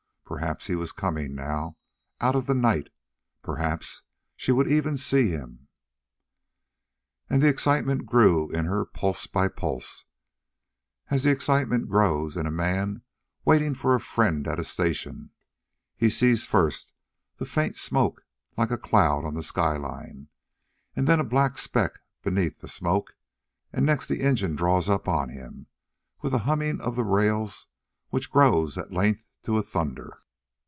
Perhaps he was coming now out of the night; perhaps she would even see him. And the excitement grew in her pulse by pulse, as the excitement grows in a man waiting for a friend at a station; he sees first the faint smoke like a cloud on the skyline, and then a black speck beneath the smoke, and next the engine draws up on him with a humming of the rails which grows at length to a thunder.